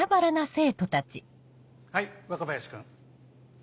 はい若林君。